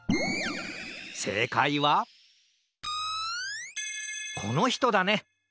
せいかいはこのひとだね！